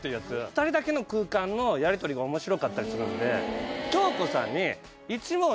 ２人だけの空間のやりとりが面白かったりするんで。